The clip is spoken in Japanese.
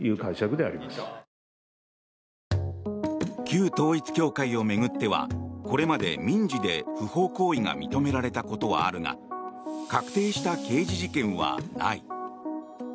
旧統一教会を巡ってはこれまで民事で不法行為が認められたことはあるが確定した刑事事件はない。